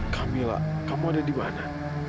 kamila kamu ada di badan